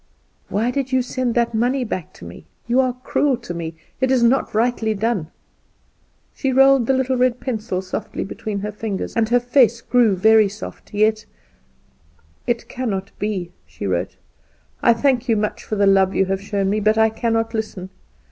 "Why did you send that money back to me? You are cruel to me; it is not rightly done." She rolled the little red pencil softly between her fingers, and her face grew very soft. Yet: "It cannot be," she wrote; "I thank you much for the love you have shown me; but I cannot listen.